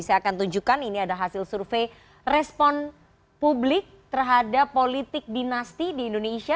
saya akan tunjukkan ini ada hasil survei respon publik terhadap politik dinasti di indonesia